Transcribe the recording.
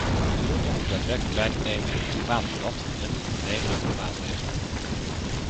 Europa moet daadwerkelijk leiding nemen in het klimaatdebat en de te nemen maatregelen.